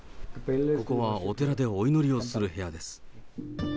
ここはお寺でお祈りをする部屋です。